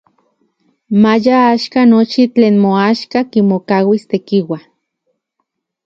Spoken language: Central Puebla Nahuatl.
Maya axkan nochi tlen moaxka kimokauis Tekiua.